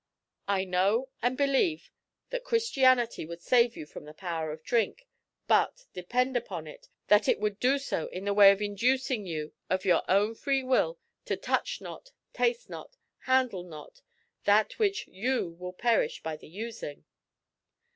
I know and believe that Christianity would save you from the power of drink, but, depend upon it, that it would do so in the way of inducin' you of your own free will to "touch not, taste not, handle not, that which" you "will perish by the using."'